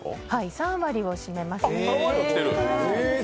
３割を占めます。